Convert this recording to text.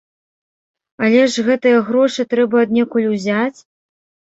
Але ж гэтыя грошы трэба аднекуль узяць!